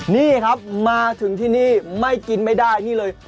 นี่ครับมาถึงที่นี่ไม่กินไม่ได้นี่เลย